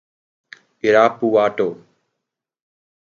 Irapuato.